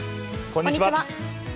こんにちは。